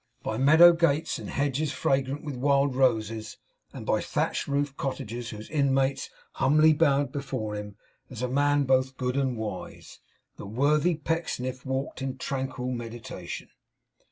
By meadow gates and hedges fragrant with wild roses; and by thatched roof cottages whose inmates humbly bowed before him as a man both good and wise; the worthy Pecksniff walked in tranquil meditation.